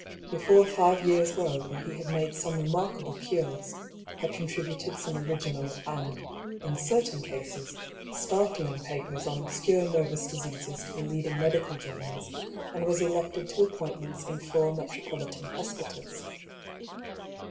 Before five years were over he had made some 158 I>B. PAULL'S THEORY. remarkable cures, had contributed some original and, in certain cases, startling papers on obscure nervous dis eases to the leading medical journals, and was elected to appointments in four metropolitan hospitals.